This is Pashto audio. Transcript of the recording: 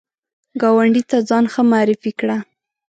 ګاونډي ته ځان ښه معرفي کړه